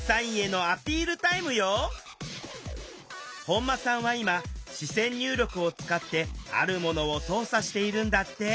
本間さんは今視線入力を使ってあるものを操作しているんだって。